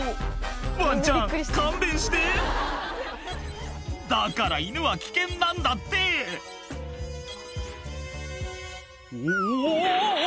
ワンちゃん勘弁してだから犬は危険なんだっておおお！